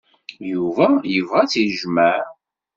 Yuba yebɣa ad tt-yejmeɛ.